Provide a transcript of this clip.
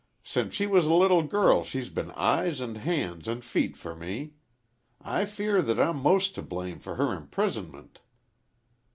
"Since she was a little girl she's been eyes and hands and feet for me. I fear that I'm most to blame for her imprisonment."